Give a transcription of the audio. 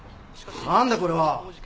何だこれは？